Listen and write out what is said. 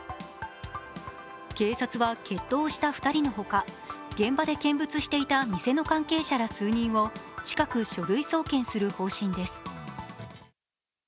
警察は決闘をした２人のほか、現場で見物していた店の関係者ら数人を近く書類送検する方針です。